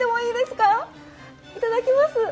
いただきます！